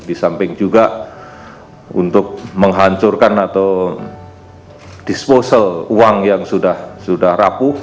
di samping juga untuk menghancurkan atau disposal uang yang sudah rapuh